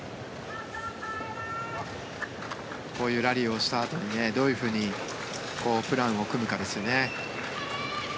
こういうラリーをしたあとにどういうふうにプランを組むかですよね。